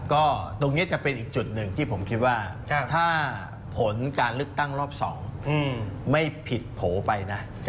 ก็ตรงนี้จะเป็นอีกจุดหนึ่งที่ผมคิดว่าถ้าผลการเลือกตั้งรอบ๒ไม่ผิดโผล่ไปนะ